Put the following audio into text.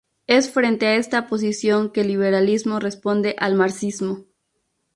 Es frente a esta posición que el liberalismo responde al marxismo.